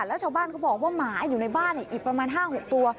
แล้วชาวบ้านเขาบอกว่าหมาอยู่ในบ้านอีกประมาณ๕๖ตัว